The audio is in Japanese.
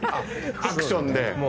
アクションで。